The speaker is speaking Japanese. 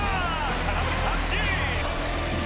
空振り三振！